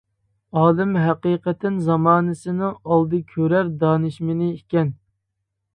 ئالىم ھەقىقەتەن زامانىسىنىڭ ئالدى كۆرەر دانىشمىنى ئىكەن.